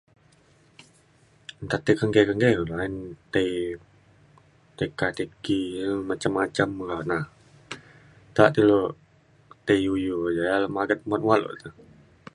nta tai kengke kengke kulu ayen tai ka tai ki ayen macam macam na nta te ilu tai iu iu le ja ya le magat muat muat lukte.